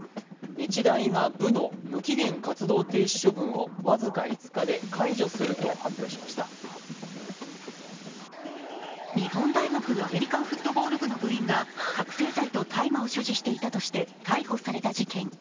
日大が部の無期限活動停止処分を僅か５日で解除すると発表しました日本大学アメリカンフットボール部の部員が覚醒剤と大麻を所持していたとして逮捕された事件。